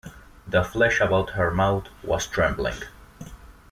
The flesh about her mouth was trembling.